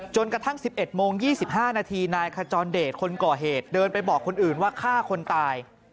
กระทั่ง๑๑โมง๒๕นาทีนายขจรเดชคนก่อเหตุเดินไปบอกคนอื่นว่าฆ่าคนตาย